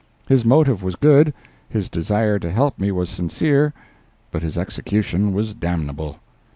His motive was good, his desire to help me was sincere, but his execution was damnable.